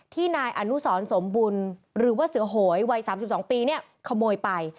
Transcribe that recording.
นายอนุสรสมบุญหรือว่าเสือโหยวัย๓๒ปีเนี่ยขโมยไป